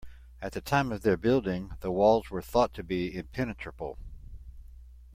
At the time of their building, the walls were thought to be impenetrable.